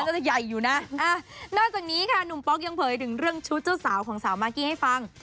นอกจากนี้ค่ะหนุ่มป๊อกยังเผยถึงเรื่องชุดเจ้าสาวของสาวมากกี้ให้ฟัง